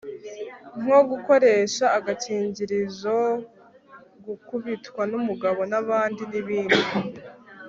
nko gukoresha agakingirizo, gukubitwa n'umugabo nabandi, n'ibindi